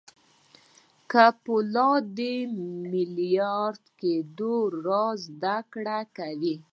که د فورډ د ميليونر کېدو له رازه زده کړه کوئ.